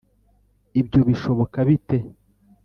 ibyo bishoboka bite